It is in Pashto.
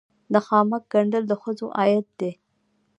د خامک ګنډل د ښځو عاید دی